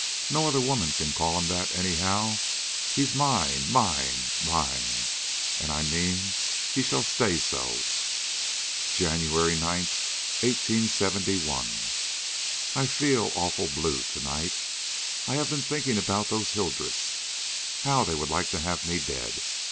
No other woman can call him that, anyhow. He is mine, mine, mine, and I mean he shall stay so." "JANUARY 9, 1871. I feel awful blue to night. I have been thinking about those Hildreths. How they would like to have me dead!